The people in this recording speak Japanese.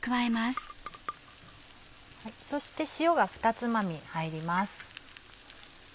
そして塩がふたつまみ入ります。